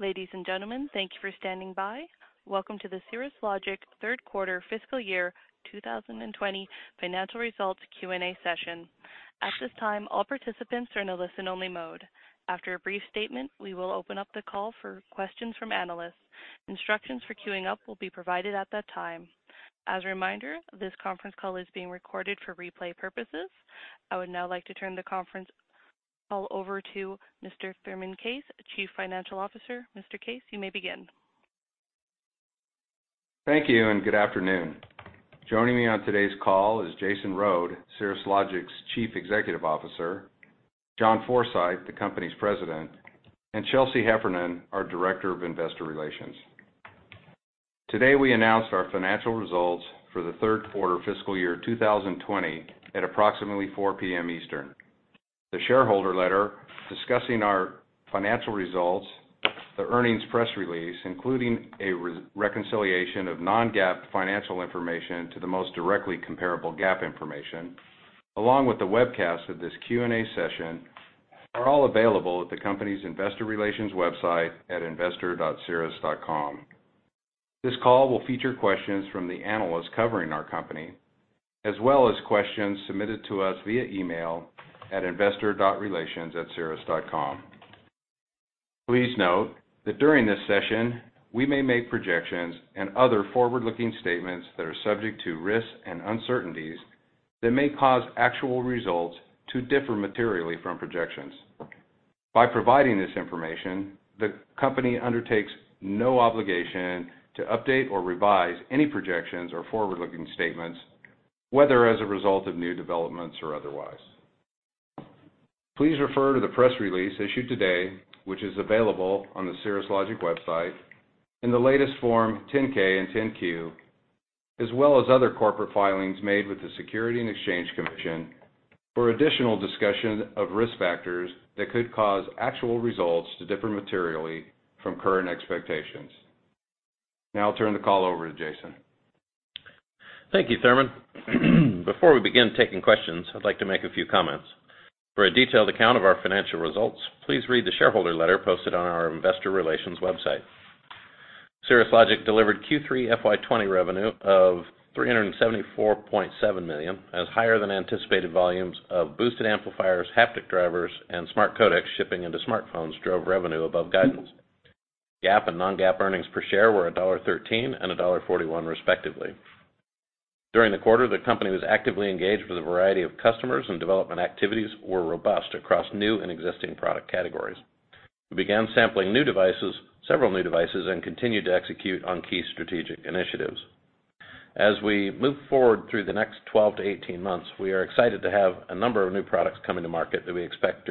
Ladies and gentlemen, thank you for standing by. Welcome to the Cirrus Logic Q3 Fiscal Year 2020 Financial Results Q&A Session. At this time, all participants are in a listen-only mode. After a brief statement, we will open up the call for questions from analysts. Instructions for queuing up will be provided at that time. As a reminder, this conference call is being recorded for replay purposes. I would now like to turn the conference call over to Mr. Thurman Case, Chief Financial Officer. Mr. Case, you may begin. Thank you and good afternoon. Joining me on today's call is Jason Rhode, Cirrus Logic's Chief Executive Officer, John Forsyth, the company's president, and Chelsea Heffernan, our Director of Investor Relations. Today, we announced our financial results for the Q3 Fiscal Year 2020 at approximately 4:00 P.M. Eastern. The shareholder letter discussing our financial results, the earnings press release, including a reconciliation of non-GAAP financial information to the most directly comparable GAAP information, along with the webcast of this Q&A session, are all available at the company's Investor Relations website at investor.cirrus.com. This call will feature questions from the analysts covering our company, as well as questions submitted to us via email at investor.relations@cirrus.com. Please note that during this session, we may make projections and other forward-looking statements that are subject to risks and uncertainties that may cause actual results to differ materially from projections. By providing this information, the company undertakes no obligation to update or revise any projections or forward-looking statements, whether as a result of new developments or otherwise. Please refer to the press release issued today, which is available on the Cirrus Logic website, in the latest Form 10-K and 10-Q, as well as other corporate filings made with the Securities and Exchange Commission for additional discussion of risk factors that could cause actual results to differ materially from current expectations. Now, I'll turn the call over to Jason. Thank you, Thurman. Before we begin taking questions, I'd like to make a few comments. For a detailed account of our financial results, please read the shareholder letter posted on our Investor Relations website. Cirrus Logic delivered Q3 FY20 revenue of $374.7 million, as higher than anticipated volumes of boosted amplifiers, haptic drivers, and smart codecs shipping into smartphones drove revenue above guidance. GAAP and non-GAAP earnings per share were $1.13 and 1.41, respectively. During the quarter, the company was actively engaged with a variety of customers, and development activities were robust across new and existing product categories. We began sampling several new devices and continued to execute on key strategic initiatives. As we move forward through the next 12 to 18 months, we are excited to have a number of new products coming to market that we expect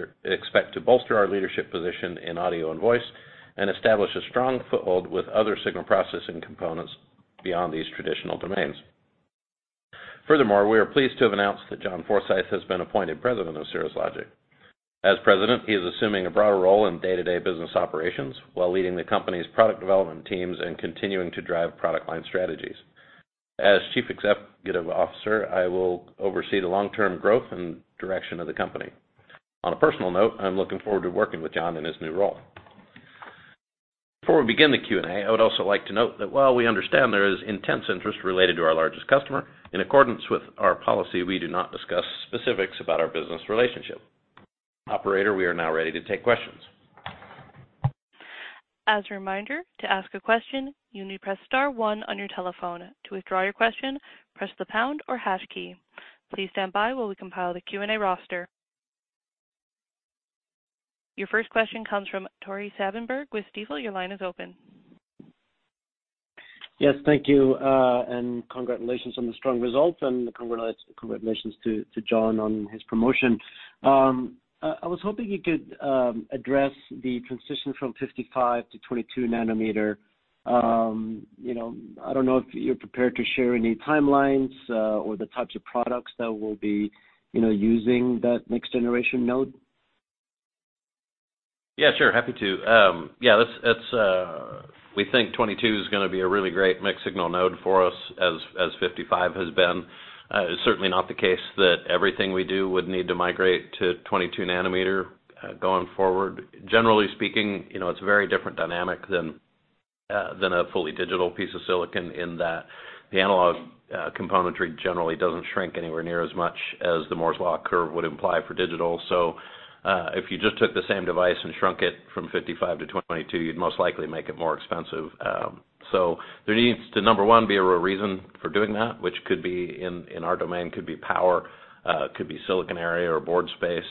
to bolster our leadership position in audio and voice and establish a strong foothold with other signal processing components beyond these traditional domains. Furthermore, we are pleased to have announced that John Forsyth has been appointed President of Cirrus Logic. As President, he is assuming a broader role in day-to-day business operations while leading the company's product development teams and continuing to drive product line strategies. As Chief Executive Officer, I will oversee the long-term growth and direction of the company. On a personal note, I'm looking forward to working with John in his new role. Before we begin the Q&A, I would also like to note that while we understand there is intense interest related to our largest customer, in accordance with our policy, we do not discuss specifics about our business relationship. Operator, we are now ready to take questions. As a reminder, to ask a question, you need to press star one on your telephone. To withdraw your question, press the pound or hash key. Please stand by while we compile the Q&A roster. Your first question comes from Tore Svanberg with Stifel. Your line is open. Yes, thank you, and congratulations on the strong results, and congratulations to John on his promotion. I was hoping you could address the transition from 55 to 22 nanometer. I don't know if you're prepared to share any timelines or the types of products that we'll be using that next-generation node. Yeah, sure, happy to. Yeah, we think 22 is going to be a really great mixed-signal node for us, as 55 has been. It's certainly not the case that everything we do would need to migrate to 22 nanometer going forward. Generally speaking, it's a very different dynamic than a fully digital piece of silicon in that the analog componentry generally doesn't shrink anywhere near as much as the Moore's Law curve would imply for digital. So if you just took the same device and shrunk it from 55 to 22, you'd most likely make it more expensive. So there needs to, number one, be a real reason for doing that, which in our domain could be power, could be silicon area or board space.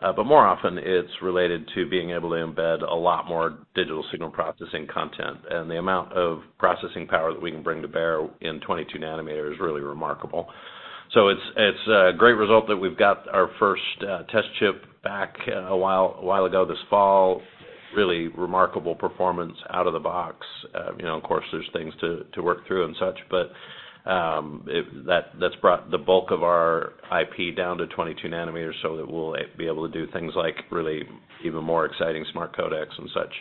But more often, it's related to being able to embed a lot more digital signal processing content. And the amount of processing power that we can bring to bear in 22 nanometer is really remarkable. So it's a great result that we've got our first test chip back a while ago this fall. Really remarkable performance out of the box. Of course, there's things to work through and such, but that's brought the bulk of our IP down to 22 nanometer so that we'll be able to do things like really even more exciting smart codecs and such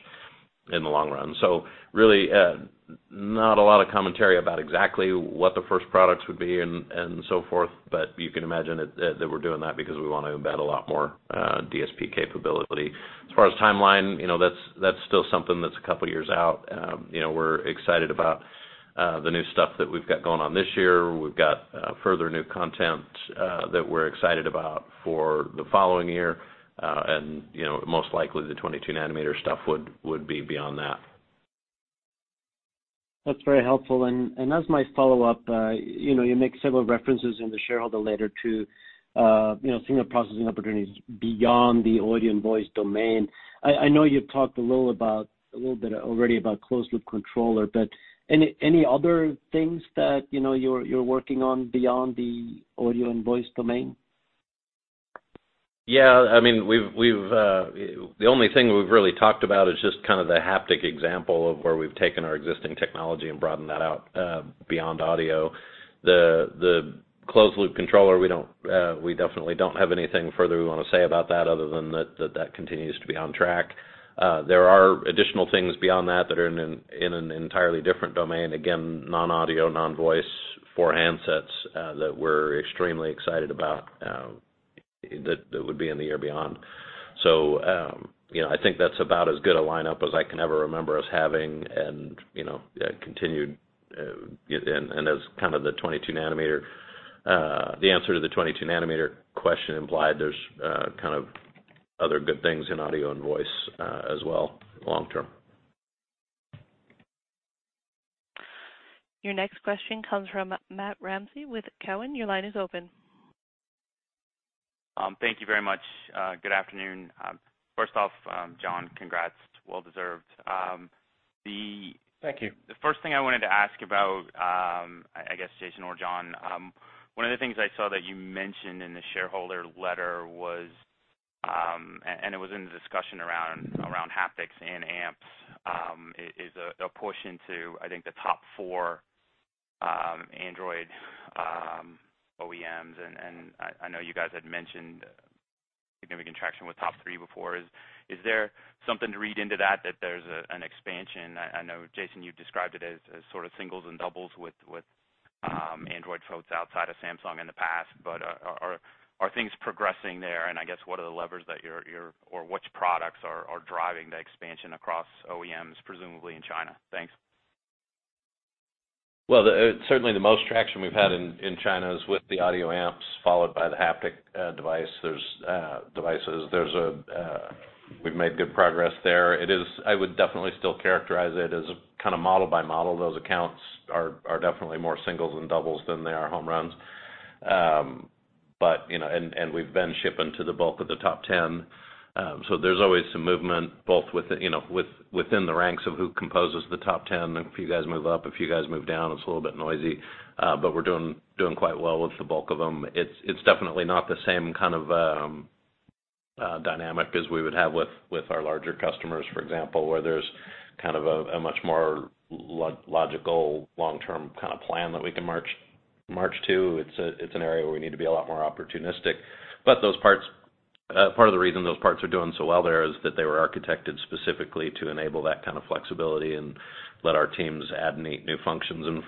in the long run. So really, not a lot of commentary about exactly what the first products would be and so forth, but you can imagine that we're doing that because we want to embed a lot more DSP capability. As far as timeline, that's still something that's a couple of years out. We're excited about the new stuff that we've got going on this year. We've got further new content that we're excited about for the following year, and most likely the 22 nanometer stuff would be beyond that. That's very helpful. And as my follow-up, you make several references in the shareholder letter to signal processing opportunities beyond the audio and voice domain. I know you've talked a little bit already about closed-loop controller, but any other things that you're working on beyond the audio and voice domain? Yeah, I mean, the only thing we've really talked about is just kind of the haptic example of where we've taken our existing technology and broadened that out beyond audio. The closed-loop controller, we definitely don't have anything further we want to say about that other than that that continues to be on track. There are additional things beyond that that are in an entirely different domain. Again, non-audio, non-voice for handsets that we're extremely excited about that would be in the year beyond. So I think that's about as good a lineup as I can ever remember us having and continued, and as kind of the 22-nanometer. The answer to the 22-nanometer question implied there's kind of other good things in audio and voice as well long-term. Your next question comes from Matt Ramsay with Cowen. Your line is open. Thank you very much. Good afternoon. First off, John, congrats. Well-deserved. Thank you. The first thing I wanted to ask about, I guess, Jason or John, one of the things I saw that you mentioned in the shareholder letter was, and it was in the discussion around haptics and amps, is a push into, I guess, the top four Android OEMs. And I know you guys had mentioned significant traction with top three before. Is there something to read into that, that there's an expansion? I know, Jason, you described it as sort of singles and doubles with Android phones outside of Samsung in the past, but are things progressing there? And I guess, what are the levers that you're or which products are driving the expansion across OEMs, presumably in China? Thanks. Certainly the most traction we've had in China is with the audio amps, followed by the haptic devices. We've made good progress there. I would definitely still characterize it as kind of model by model. Those accounts are definitely more singles and doubles than they are home runs. We've been shipping to the bulk of the top 10. There's always some movement both within the ranks of who composes the top 10. If you guys move up, if you guys move down, it's a little bit noisy. We're doing quite well with the bulk of them. It's definitely not the same kind of dynamic as we would have with our larger customers, for example, where there's kind of a much more logical long-term kind of plan that we can march to. It's an area where we need to be a lot more opportunistic. But part of the reason those parts are doing so well there is that they were architected specifically to enable that kind of flexibility and let our teams add and iterate new functions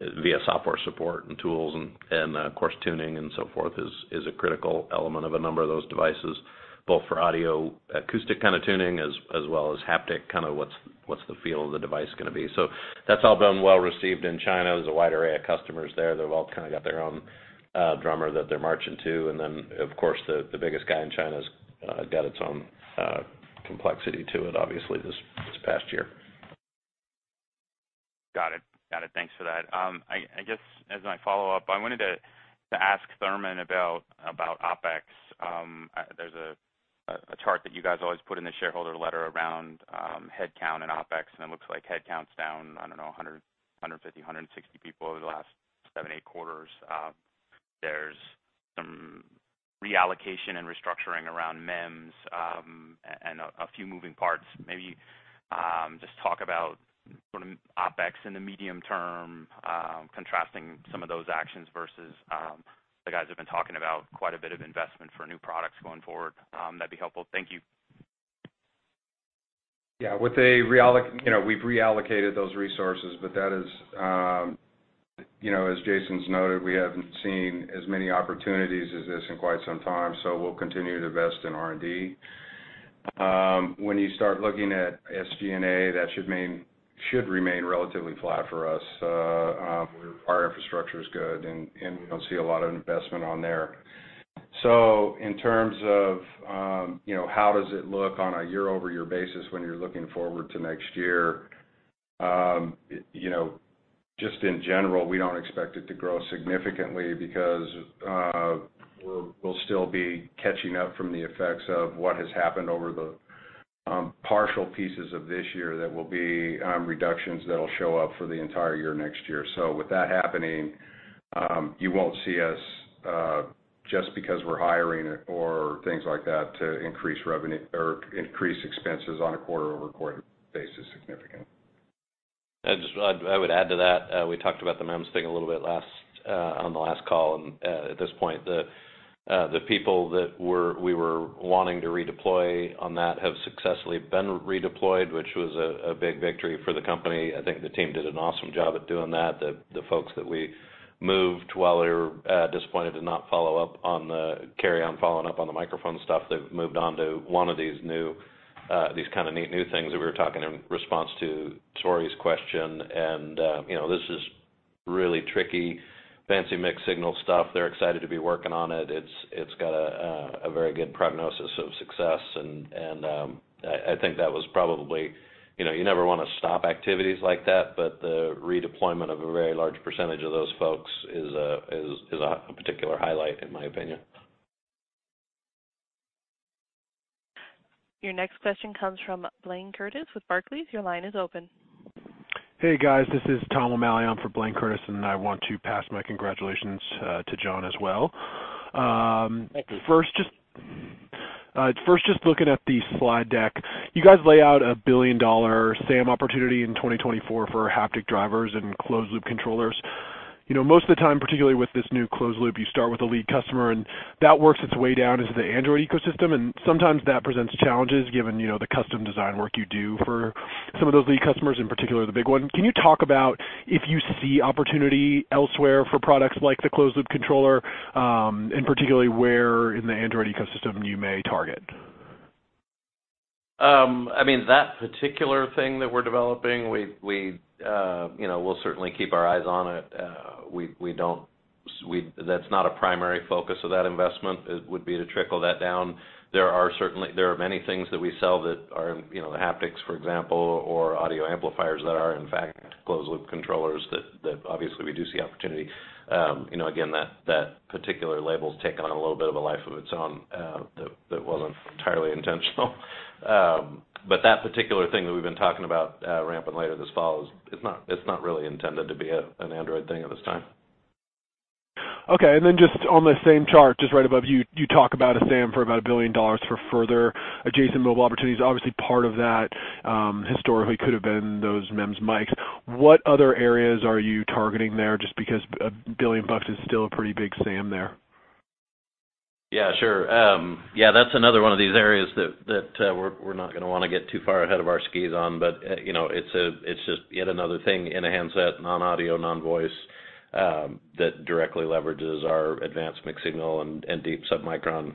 via software support and tools. And of course, tuning and so forth is a critical element of a number of those devices, both for audio acoustic kind of tuning as well as haptic kind of what's the feel of the device going to be. So that's all been well-received in China. There's a wide array of customers there. They've all kind of got their own drummer that they're marching to. And then, of course, the biggest guy in China's got its own complexity to it, obviously, this past year. Got it. Got it. Thanks for that. I guess, as my follow-up, I wanted to ask Thurman about OpEx. There's a chart that you guys always put in the shareholder letter around headcount and OpEx, and it looks like headcount's down, I don't know, 150, 160 people over the last seven, eight quarters. There's some reallocation and restructuring around MEMS and a few moving parts. Maybe just talk about OpEx in the medium term, contrasting some of those actions versus the guys have been talking about quite a bit of investment for new products going forward. That'd be helpful. Thank you. Yeah, we've reallocated those resources, but that is, as Jason's noted, we haven't seen as many opportunities as this in quite some time. So we'll continue to invest in R&D. When you start looking at SG&A, that should remain relatively flat for us. Our infrastructure is good, and we don't see a lot of investment on there. So in terms of how does it look on a year-over-year basis when you're looking forward to next year, just in general, we don't expect it to grow significantly because we'll still be catching up from the effects of what has happened over the partial pieces of this year that will be reductions that'll show up for the entire year next year. So with that happening, you won't see us just because we're hiring or things like that to increase expenses on a quarter-over-quarter basis significantly. I would add to that. We talked about the MEMS thing a little bit on the last call. And at this point, the people that we were wanting to redeploy on that have successfully been redeployed, which was a big victory for the company. I think the team did an awesome job at doing that. The folks that we moved while they were disappointed to not follow up on the carry-on following up on the microphone stuff, they've moved on to one of these kind of neat new things that we were talking in response to Tore's question. And this is really tricky, fancy mixed-signal stuff. They're excited to be working on it. It's got a very good prognosis of success. And I think that was probably. You never want to stop activities like that, but the redeployment of a very large percentage of those folks is a particular highlight, in my opinion. Your next question comes from Blaine Curtis with Barclays. Your line is open. Hey, guys. This is Tom O'Malley. I'm for Blaine Curtis, and I want to pass my congratulations to John as well. First, just looking at the slide deck, you guys lay out a billion-dollar SAM opportunity in 2024 for haptic drivers and closed-loop controllers. Most of the time, particularly with this new closed-loop, you start with a lead customer, and that works its way down into the Android ecosystem. And sometimes that presents challenges given the custom design work you do for some of those lead customers, in particular the big one. Can you talk about if you see opportunity elsewhere for products like the closed-loop controller, and particularly where in the Android ecosystem you may target? I mean, that particular thing that we're developing, we'll certainly keep our eyes on it. That's not a primary focus of that investment. It would be to trickle that down. There are many things that we sell that are the haptics, for example, or audio amplifiers that are, in fact, closed-loop controllers that obviously we do see opportunity. Again, that particular label's taken on a little bit of a life of its own that wasn't entirely intentional. But that particular thing that we've been talking about ramping later this fall, it's not really intended to be an Android thing at this time. Okay. And then just on the same chart, just right above you, you talk about a SAM for about $1 billion for further adjacent mobile opportunities. Obviously, part of that historically could have been those MEMS mics. What other areas are you targeting there? Just because $1 billion is still a pretty big SAM there. Yeah, sure. Yeah, that's another one of these areas that we're not going to want to get too far ahead of our skis on, but it's just yet another thing in a handset, non-audio, non-voice that directly leverages our advanced mixed-signal and deep submicron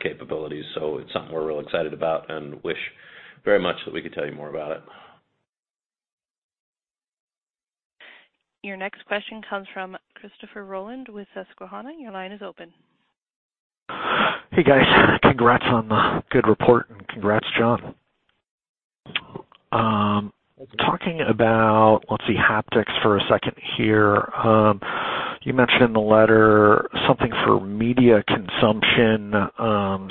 capabilities, so it's something we're really excited about and wish very much that we could tell you more about it. Your next question comes from Christopher Rolland with Susquehanna. Your line is open. Hey, guys. Congrats on the good report, and congrats, John. Talking about, let's see, haptics for a second here. You mentioned in the letter something for media consumption.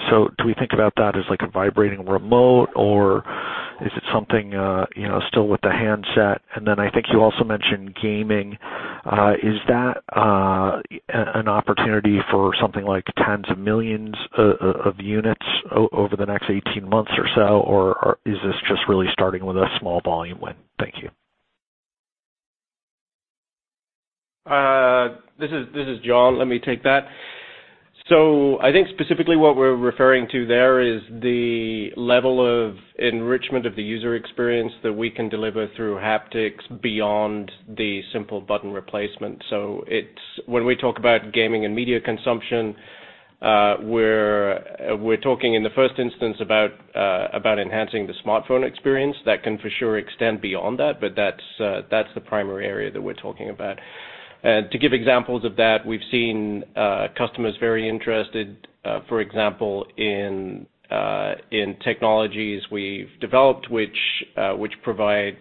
So do we think about that as a vibrating remote, or is it something still with the handset? And then I think you also mentioned gaming. Is that an opportunity for something like tens of millions of units over the next 18 months or so, or is this just really starting with a small volume win? Thank you. This is John. Let me take that. So I think specifically what we're referring to there is the level of enrichment of the user experience that we can deliver through haptics beyond the simple button replacement. So when we talk about gaming and media consumption, we're talking in the first instance about enhancing the smartphone experience. That can for sure extend beyond that, but that's the primary area that we're talking about. And to give examples of that, we've seen customers very interested, for example, in technologies we've developed which provide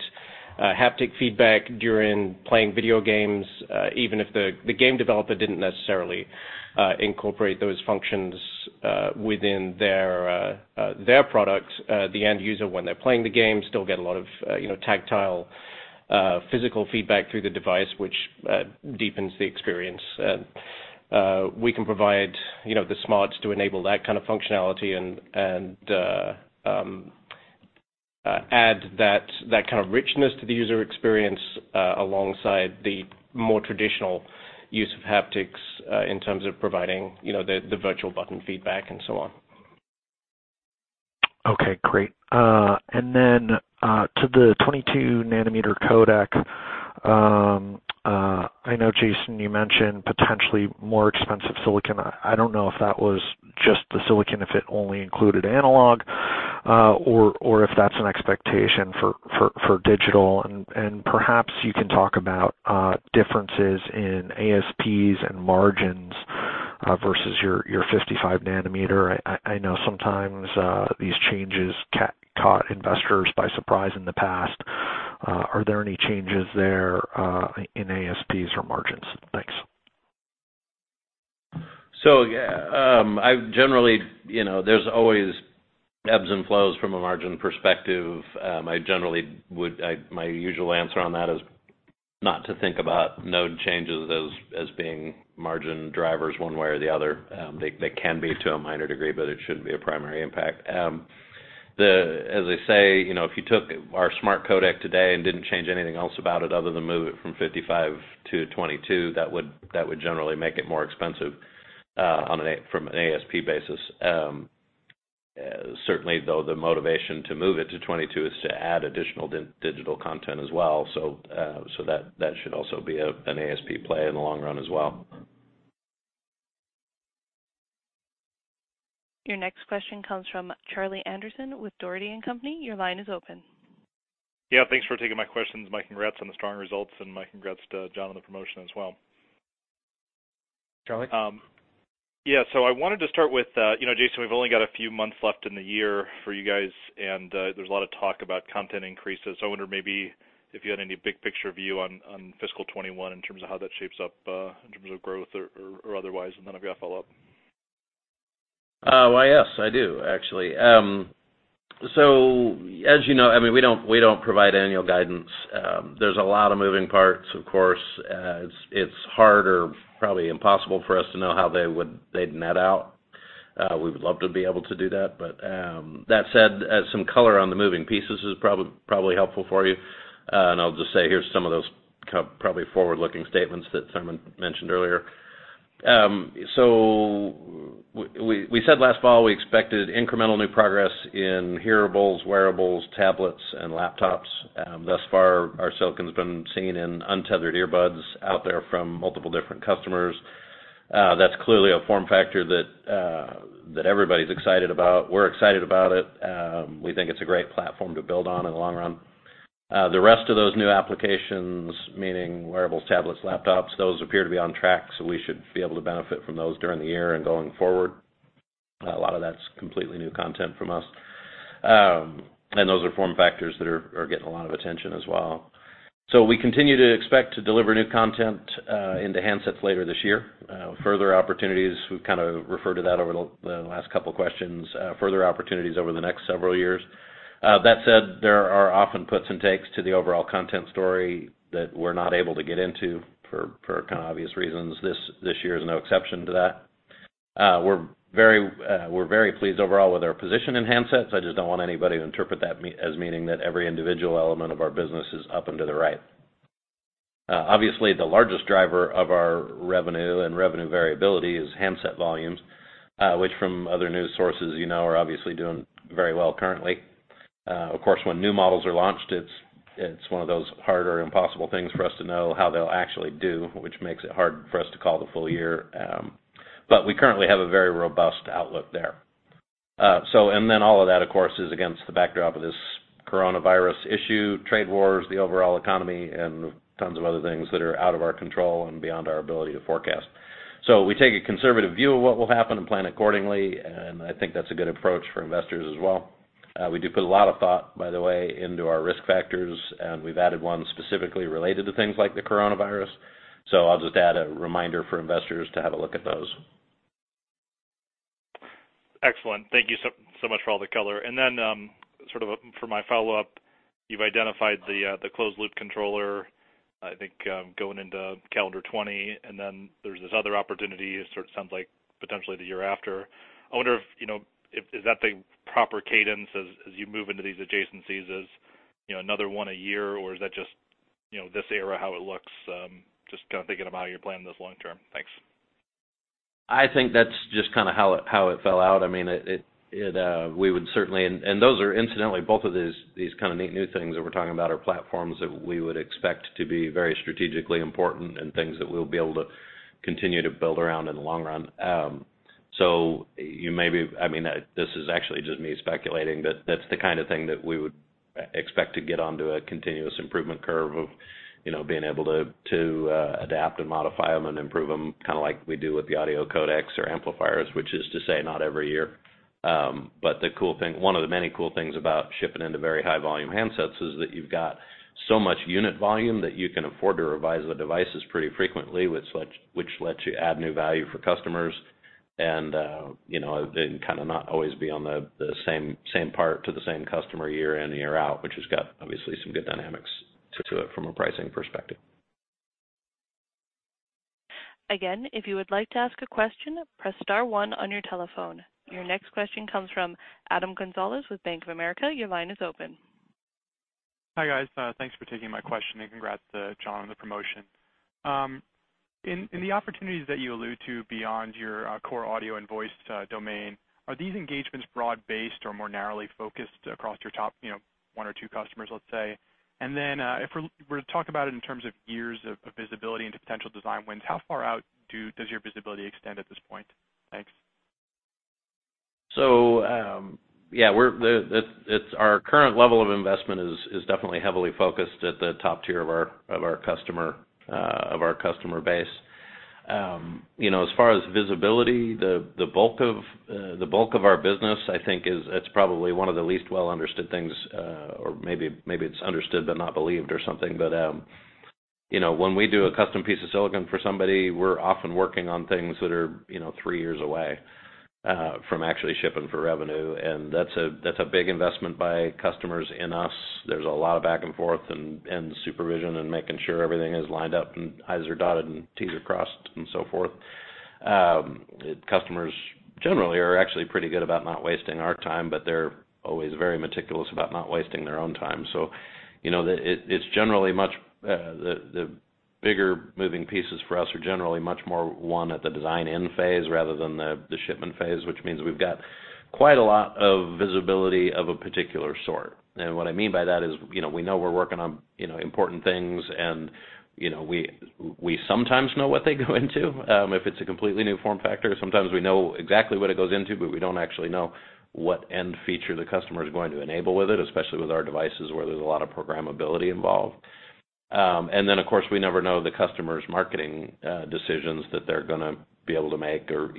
haptic feedback during playing video games, even if the game developer didn't necessarily incorporate those functions within their product. The end user, when they're playing the game, still gets a lot of tactile physical feedback through the device, which deepens the experience. We can provide the smarts to enable that kind of functionality and add that kind of richness to the user experience alongside the more traditional use of haptics in terms of providing the virtual button feedback and so on. Okay. Great. And then to the 22-nanometer codec, I know, Jason, you mentioned potentially more expensive silicon. I don't know if that was just the silicon if it only included analog or if that's an expectation for digital. And perhaps you can talk about differences in ASPs and margins versus your 55-nanometer. I know sometimes these changes caught investors by surprise in the past. Are there any changes there in ASPs or margins? Thanks. So generally, there's always ebbs and flows from a margin perspective. My usual answer on that is not to think about node changes as being margin drivers one way or the other. They can be to a minor degree, but it shouldn't be a primary impact. As I say, if you took our smart codec today and didn't change anything else about it other than move it from 55 to 22, that would generally make it more expensive from an ASP basis. Certainly, though, the motivation to move it to 22 is to add additional digital content as well. So that should also be an ASP play in the long run as well. Your next question comes from Charlie Anderson with Dougherty & Company. Your line is open. Yeah. Thanks for taking my questions. My congrats on the strong results and my congrats to John on the promotion as well. Charlie? Yeah, so I wanted to start with, Jason, we've only got a few months left in the year for you guys, and there's a lot of talk about content increases. I wonder maybe if you had any big picture view on fiscal 2021 in terms of how that shapes up in terms of growth or otherwise. And then I've got to follow up. Why yes, I do, actually. So as you know, I mean, we don't provide annual guidance. There's a lot of moving parts, of course. It's hard or probably impossible for us to know how they'd net out. We would love to be able to do that. But that said, some color on the moving pieces is probably helpful for you. And I'll just say here's some of those probably forward-looking statements that Thurman mentioned earlier. So we said last fall we expected incremental new progress in hearables, wearables, tablets, and laptops. Thus far, our silicon's been seen in untethered earbuds out there from multiple different customers. That's clearly a form factor that everybody's excited about. We're excited about it. We think it's a great platform to build on in the long run. The rest of those new applications, meaning wearables, tablets, laptops, those appear to be on track. So we should be able to benefit from those during the year and going forward. A lot of that's completely new content from us. And those are form factors that are getting a lot of attention as well. So we continue to expect to deliver new content into handsets later this year. Further opportunities, we've kind of referred to that over the last couple of questions. Further opportunities over the next several years. That said, there are often puts and takes to the overall content story that we're not able to get into for kind of obvious reasons. This year is no exception to that. We're very pleased overall with our position in handsets. I just don't want anybody to interpret that as meaning that every individual element of our business is up and to the right. Obviously, the largest driver of our revenue and revenue variability is handset volumes, which from other news sources you know are obviously doing very well currently. Of course, when new models are launched, it's one of those hard or impossible things for us to know how they'll actually do, which makes it hard for us to call the full year, but we currently have a very robust outlook there, and then all of that, of course, is against the backdrop of this coronavirus issue, trade wars, the overall economy, and tons of other things that are out of our control and beyond our ability to forecast, so we take a conservative view of what will happen and plan accordingly, and I think that's a good approach for investors as well. We do put a lot of thought, by the way, into our risk factors, and we've added one specifically related to things like the coronavirus. So I'll just add a reminder for investors to have a look at those. Excellent. Thank you so much for all the color. And then sort of for my follow-up, you've identified the closed-loop controller, I think going into calendar 2020. And then there's this other opportunity, sort of sounds like, potentially the year after. I wonder if is that the proper cadence as you move into these adjacencies as another one a year, or is that just this era how it looks? Just kind of thinking about how you're planning this long term. Thanks. I think that's just kind of how it fell out. I mean, we would certainly, and those are incidentally both of these kind of neat new things that we're talking about are platforms that we would expect to be very strategically important and things that we'll be able to continue to build around in the long run. So you may be, I mean, this is actually just me speculating, but that's the kind of thing that we would expect to get onto a continuous improvement curve of being able to adapt and modify them and improve them kind of like we do with the audio codecs or amplifiers, which is to say not every year. But the cool thing - one of the many cool things about shipping into very high-volume handsets is that you've got so much unit volume that you can afford to revise the devices pretty frequently, which lets you add new value for customers and kind of not always be on the same part to the same customer year in and year out, which has got obviously some good dynamics to it from a pricing perspective. Again, if you would like to ask a question, press star one on your telephone. Your next question comes from Adam Gonzalez with Bank of America. Your line is open. Hi guys. Thanks for taking my question, and congrats to John on the promotion. In the opportunities that you allude to beyond your core audio and voice domain, are these engagements broad-based or more narrowly focused across your top one or two customers, let's say? And then if we're talking about it in terms of years of visibility into potential design wins, how far out does your visibility extend at this point? Thanks. So yeah, our current level of investment is definitely heavily focused at the top tier of our customer base. As far as visibility, the bulk of our business, I think, is it's probably one of the least well-understood things, or maybe it's understood but not believed or something. But when we do a custom piece of silicon for somebody, we're often working on things that are three years away from actually shipping for revenue. And that's a big investment by customers in us. There's a lot of back and forth and supervision and making sure everything is lined up and i’s are dotted and t’s are crossed and so forth. Customers generally are actually pretty good about not wasting our time, but they're always very meticulous about not wasting their own time. So it's generally much the bigger moving pieces for us are generally much more one at the design-in phase rather than the shipment phase, which means we've got quite a lot of visibility of a particular sort. And what I mean by that is we know we're working on important things, and we sometimes know what they go into. If it's a completely new form factor, sometimes we know exactly what it goes into, but we don't actually know what end feature the customer is going to enable with it, especially with our devices where there's a lot of programmability involved. And then, of course, we never know the customer's marketing decisions that they're going to be able to make or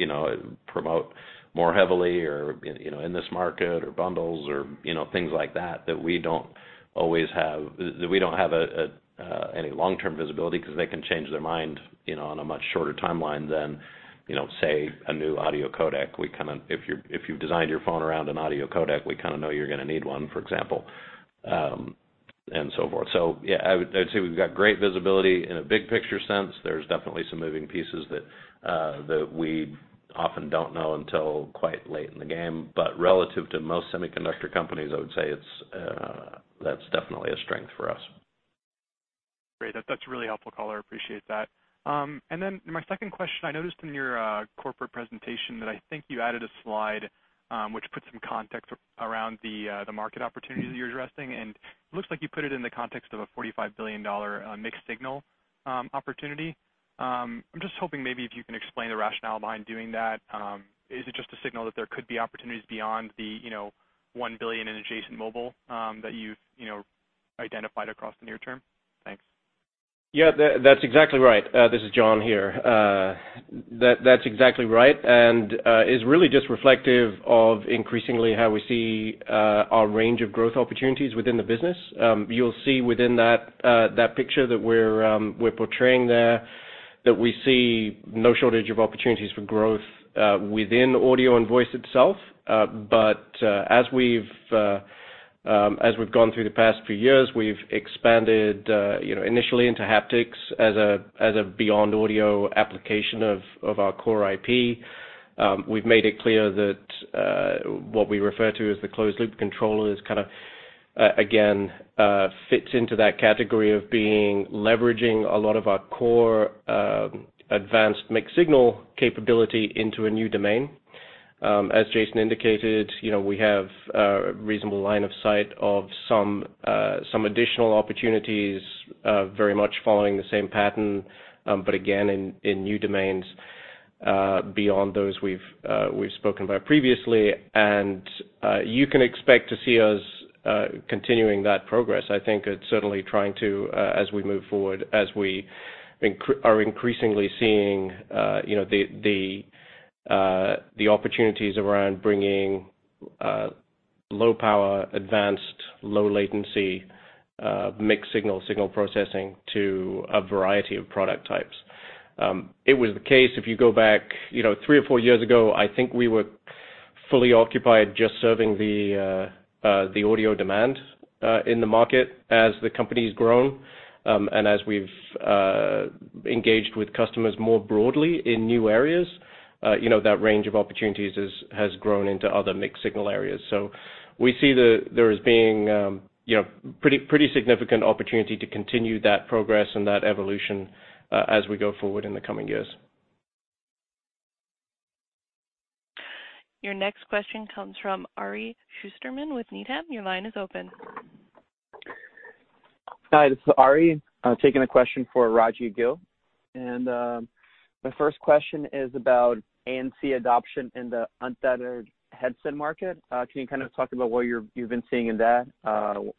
promote more heavily or in this market or bundles or things like that that we don't always have any long-term visibility because they can change their mind on a much shorter timeline than, say, a new audio codec. If you've designed your phone around an audio codec, we kind of know you're going to need one, for example, and so forth. So yeah, I would say we've got great visibility in a big picture sense. There's definitely some moving pieces that we often don't know until quite late in the game. But relative to most semiconductor companies, I would say that's definitely a strength for us. Great. That's really helpful, Color. I appreciate that. And then my second question, I noticed in your corporate presentation that I think you added a slide which puts some context around the market opportunities that you're addressing. And it looks like you put it in the context of a $45 billion mixed-signal opportunity. I'm just hoping maybe if you can explain the rationale behind doing that. Is it just a signal that there could be opportunities beyond the $1 billion in adjacent mobile that you've identified across the near term? Thanks. Yeah. That's exactly right. This is John here. That's exactly right and is really just reflective of increasingly how we see our range of growth opportunities within the business. You'll see within that picture that we're portraying there that we see no shortage of opportunities for growth within audio and voice itself. But as we've gone through the past few years, we've expanded initially into haptics as a beyond audio application of our core IP. We've made it clear that what we refer to as the closed-loop controller is kind of, again, fits into that category of leveraging a lot of our core advanced mixed-signal capability into a new domain. As Jason indicated, we have a reasonable line of sight of some additional opportunities very much following the same pattern, but again, in new domains beyond those we've spoken about previously. You can expect to see us continuing that progress. I think it's certainly trying to, as we move forward, as we are increasingly seeing the opportunities around bringing low-power advanced low-latency mixed-signal processing to a variety of product types. It was the case if you go back three or four years ago. I think we were fully occupied just serving the audio demand in the market as the company's grown. As we've engaged with customers more broadly in new areas, that range of opportunities has grown into other mixed-signal areas. We see there is being a pretty significant opportunity to continue that progress and that evolution as we go forward in the coming years. Your next question comes from Ari Shusterman with Needham. Your line is open. Hi. This is Ari taking a question for Raj Gill. And my first question is about ANC adoption in the untethered headset market. Can you kind of talk about what you've been seeing in that,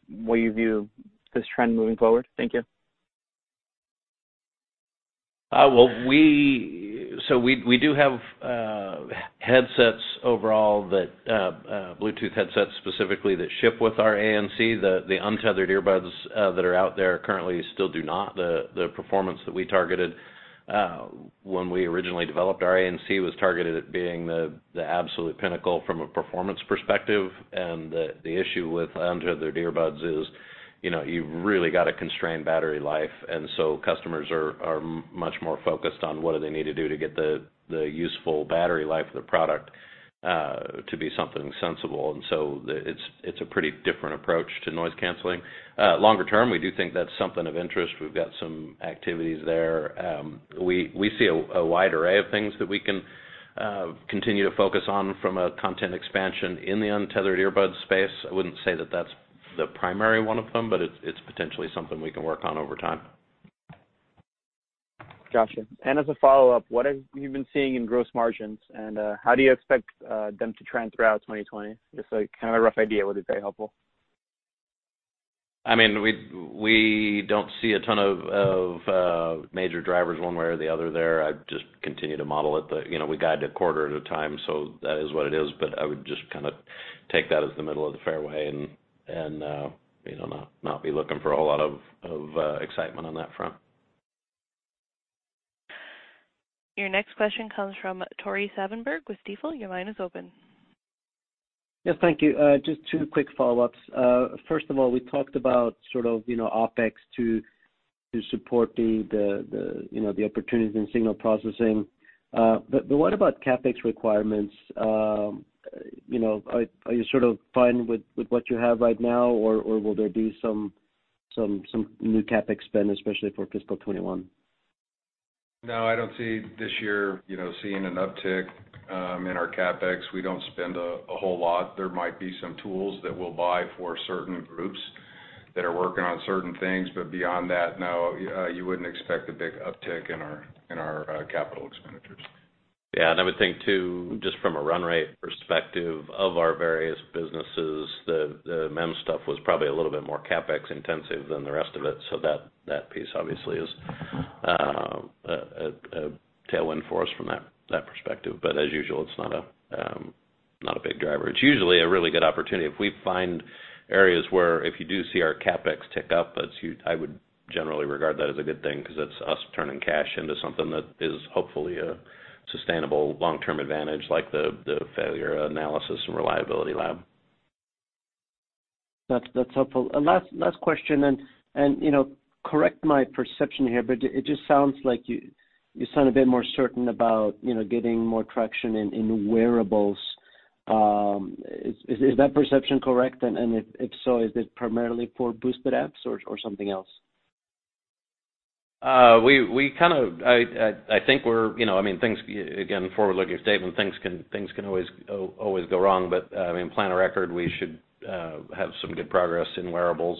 what you view this trend moving forward? Thank you. So we do have headsets overall, Bluetooth headsets specifically, that ship with our ANC. The untethered earbuds that are out there currently still do not. The performance that we targeted when we originally developed our ANC was targeted at being the absolute pinnacle from a performance perspective. The issue with untethered earbuds is you've really got to constrain battery life. Customers are much more focused on what do they need to do to get the useful battery life of the product to be something sensible. It's a pretty different approach to noise canceling. Longer term, we do think that's something of interest. We've got some activities there. We see a wide array of things that we can continue to focus on from a content expansion in the untethered earbuds space. I wouldn't say that that's the primary one of them, but it's potentially something we can work on over time. Gotcha. And as a follow-up, what have you been seeing in gross margins? And how do you expect them to trend throughout 2020? Just kind of a rough idea would be very helpful. I mean, we don't see a ton of major drivers one way or the other there. I just continue to model it that we guide a quarter at a time. So that is what it is. But I would just kind of take that as the middle of the fairway and not be looking for a whole lot of excitement on that front. Your next question comes from Tore Svanberg with Stifel. Your line is open. Yes. Thank you. Just two quick follow-ups. First of all, we talked about sort of OpEx to support the opportunities in signal processing. But what about CapEx requirements? Are you sort of fine with what you have right now, or will there be some new CapEx spend, especially for fiscal 2021? No, I don't see this year seeing an uptick in our CapEx. We don't spend a whole lot. There might be some tools that we'll buy for certain groups that are working on certain things. But beyond that, no, you wouldn't expect a big uptick in our capital expenditures. Yeah. And I would think too, just from a run rate perspective of our various businesses, the MEMS stuff was probably a little bit more CapEx intensive than the rest of it. So that piece obviously is a tailwind for us from that perspective. But as usual, it's not a big driver. It's usually a really good opportunity if we find areas where if you do see our CapEx tick up, I would generally regard that as a good thing because that's us turning cash into something that is hopefully a sustainable long-term advantage like the failure analysis and reliability lab. That's helpful. Last question. And correct my perception here, but it just sounds like you sound a bit more certain about getting more traction in wearables. Is that perception correct? And if so, is it primarily for boosted amps or something else? We kind of, I think we're, I mean, again, forward-looking statement. Things can always go wrong. But I mean, plan a record. We should have some good progress in wearables,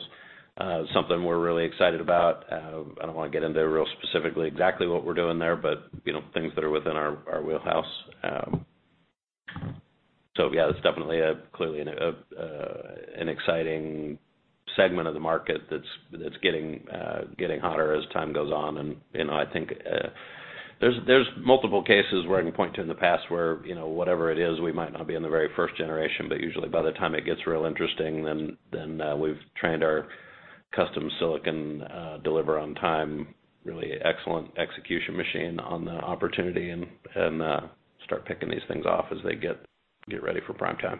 something we're really excited about. I don't want to get into real specifically exactly what we're doing there, but things that are within our wheelhouse. So yeah, it's definitely clearly an exciting segment of the market that's getting hotter as time goes on. And I think there's multiple cases where I can point to in the past where whatever it is, we might not be in the very first generation, but usually by the time it gets real interesting, then we've trained our custom silicon deliver on time, really excellent execution machine on the opportunity and start picking these things off as they get ready for prime time.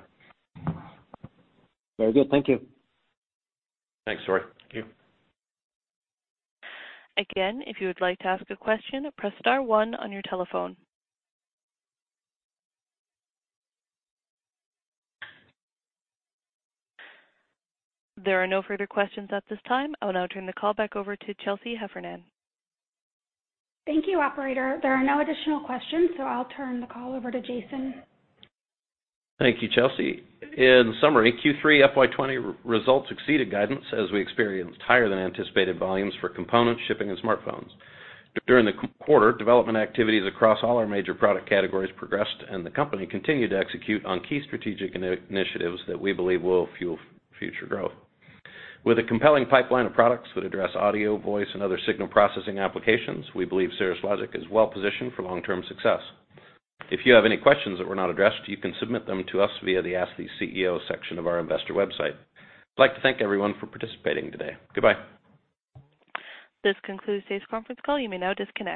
Very good. Thank you. Thanks, Tore. Thank you. Again, if you would like to ask a question, press star one on your telephone. There are no further questions at this time. I'll now turn the call back over to Chelsea Heffernan. Thank you, Operator. There are no additional questions, so I'll turn the call over to Jason. Thank you, Chelsea. In summary, Q3 FY20 results exceeded guidance as we experienced higher than anticipated volumes for components, shipping, and smartphones. During the quarter, development activities across all our major product categories progressed, and the company continued to execute on key strategic initiatives that we believe will fuel future growth. With a compelling pipeline of products that address audio, voice, and other signal processing applications, we believe Cirrus Logic is well positioned for long-term success. If you have any questions that were not addressed, you can submit them to us via the Ask the CEO section of our investor website. I'd like to thank everyone for participating today. Goodbye. This concludes today's conference call. You may now disconnect.